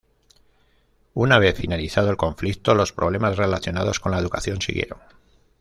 Una vez finalizado el conflicto, los problemas relacionados con la educación siguieron.